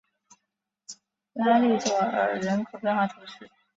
拉利佐尔人口变化图示